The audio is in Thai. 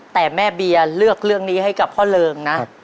แต่แม่เบียเลือกเรื่องนี้ให้กับพ่อเริงนะ